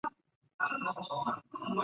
石川县出身。